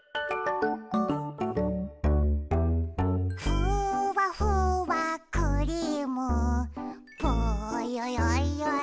「ふわふわクリームぽよよよよん」